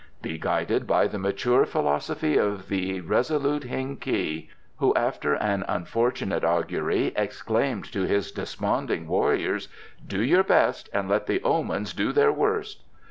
"Be guided by the mature philosophy of the resolute Heng ki, who, after an unfortunate augury, exclaimed to his desponding warriors: 'Do your best and let the Omens do their worst!